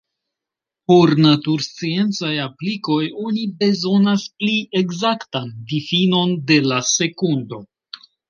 Por natursciencaj aplikoj oni bezonas pli ekzaktan difinon de la sekundo.